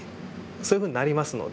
そういうふうになりますので。